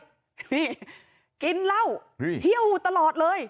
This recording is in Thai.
พี่กินเหล้าเหี่ยวตลอดเลย